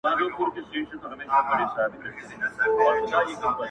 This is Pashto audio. محافظ دې د لېمۀ افغانستان وي